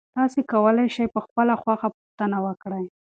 تاسي کولای شئ په خپله خوښه پوښتنه وکړئ.